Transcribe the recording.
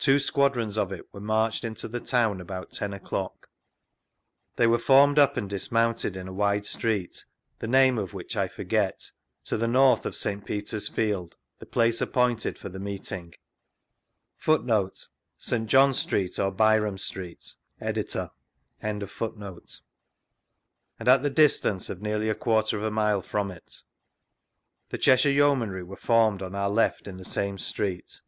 Two squadrons of it were marched into the town about ten o'clock. They were formed up and dismounted in a wide street, the name of which I forget,* to the North of St. Peter's field (the place appointed for the meeting), and at the distance of nearly a quarter of a mile from it. The Cheshire Yeomanry were formed, on our left, in the same street.